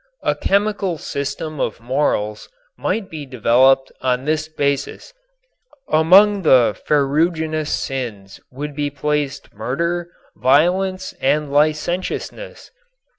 A chemical system of morals might be developed on this basis. Among the ferruginous sins would be placed murder, violence and licentiousness.